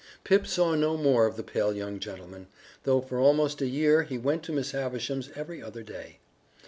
Pip saw no more of the pale young gentleman, though for almost a year he went to Miss Havisham's every other day.